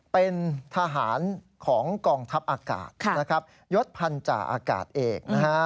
เป็นทหารของกองทัพอากาศนะครับยศพันธาอากาศเอกนะฮะ